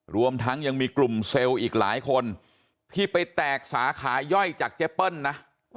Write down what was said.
รวมทั้งยังมีกลุ่มเซลล์อีกหลายคนที่ไปแตกสาขาย่อยจากเจเปิ้ลนะ